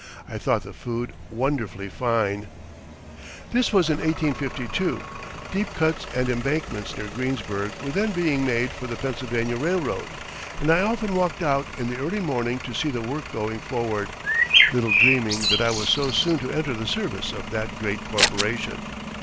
I thought the food wonderfully fine. [Illustration: HENRY PHIPPS] This was in 1852. Deep cuts and embankments near Greensburg were then being made for the Pennsylvania Railroad, and I often walked out in the early morning to see the work going forward, little dreaming that I was so soon to enter the service of that great corporation.